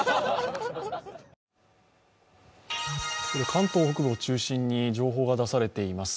関東北部を中心に情報が出されています。